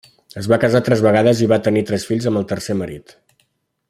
Es va casar tres vegades i va tenir tres fills amb el tercer marit.